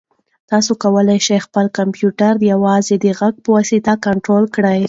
تاسو کولای شئ چې خپل کمپیوټر یوازې د غږ په واسطه کنټرول کړئ.